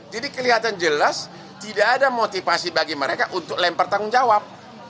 jadi kelihatan jelas tidak ada motivasi bagi mereka untuk lempar tanggung jawab